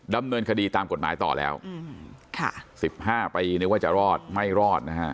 ดำเนินคดีตามกฎหมายต่อแล้ว๑๕ปีนึกว่าจะรอดไม่รอดนะฮะ